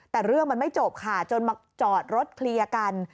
แต่เรื่องมันไม่จบค่ะจนมาจอดรถเคลียร์กัน